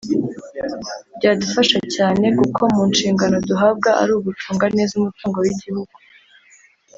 byadufasha cyane kuko mu nshingano duhabwa ni ugucunga neza umutungo w’igihugu